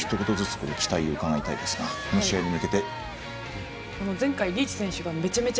桑井さんと川西さんにもひと言ずつ期待を伺いたいですがこの試合に向けて。